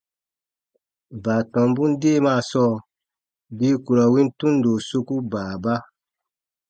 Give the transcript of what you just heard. Baatɔmbun deemaa sɔɔ bii ku ra win tundo soku baaba.